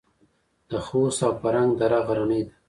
د خوست او فرنګ دره غرنۍ ده